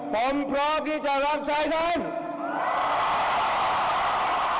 ผมพร้อมที่จะรับใช้ท่าน